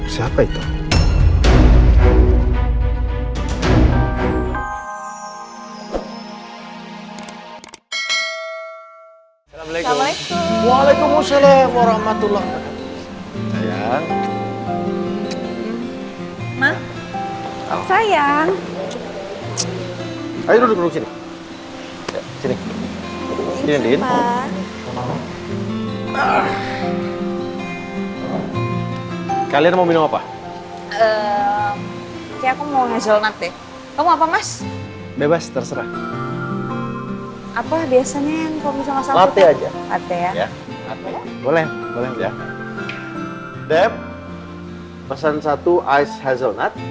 sampai jumpa di video selanjutnya